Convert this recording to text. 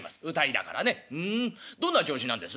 「ふんどんな調子なんです？」。